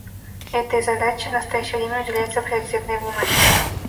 Этой задаче в настоящее время уделяется приоритетное внимание.